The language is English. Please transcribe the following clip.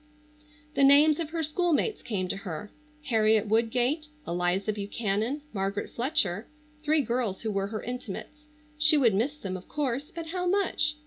The names of her schoolmates came to her. Harriet Woodgate, Eliza Buchanan, Margaret Fletcher, three girls who were her intimates. She would miss them, of course, but how much?